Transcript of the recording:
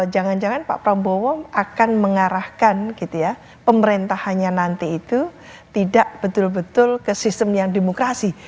jangan jangan pak prabowo akan mengarahkan gitu ya pemerintahannya nanti itu tidak betul betul ke sistem yang demokrasi